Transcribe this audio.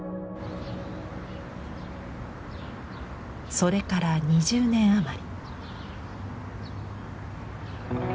それから２０年余り。